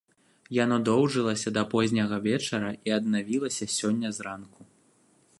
Яно доўжылася да позняга вечара і аднавілася сёння зранку.